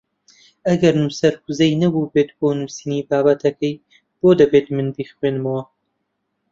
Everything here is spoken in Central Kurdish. ئەگەر نووسەر ووزەی نەبووبێت بۆ نووسینی بابەتەکەی بۆ دەبێت من بیخوێنمەوە؟